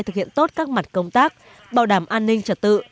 thực hiện tốt các mặt công tác bảo đảm an ninh trật tự